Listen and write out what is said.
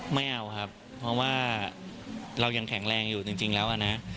ไม่เอาครับเพราะว่าเรายังแข็งแรงอยู่จริงแล้วอะนะ